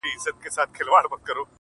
مرور سهار به هله راستنېږي،